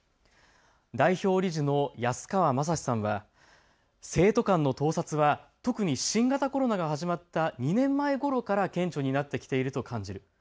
代表理事の安川雅史さんは生徒間の盗撮は特に新型コロナが始まった２年前ごろから顕著になってきていると感じる。